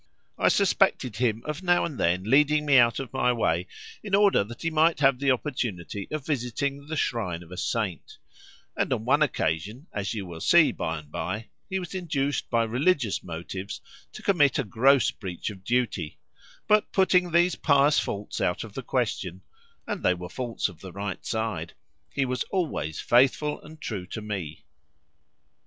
I suspected him of now and then leading me out of my way in order that he might have the opportunity of visiting the shrine of a saint, and on one occasion, as you will see by and by, he was induced by religious motives to commit a gross breach of duty; but putting these pious faults out of the question (and they were faults of the right side), he was always faithful and true to me.